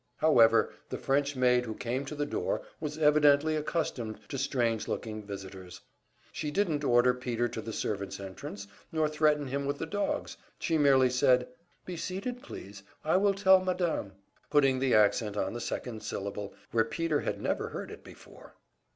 However, the French maid who came to the door was evidently accustomed to strange looking visitors. She didn't order Peter to the servant's entrance, nor threaten him with the dogs; she merely said, "Be seated, please. I will tell madame" putting the accent on the second syllable, where Peter had never heard it before.